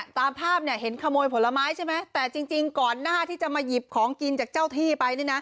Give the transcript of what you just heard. ตามภาพเห็นขโมยผลไม้ใช่ไหมแต่จริงก่อนหน้าที่จะมาหยิบของกินจากเจ้าที่ไป